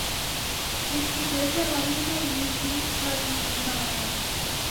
Vyskytuje se hlavně na jižních svazích Himálaje.